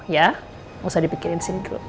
ya usah dipikirin sini dulu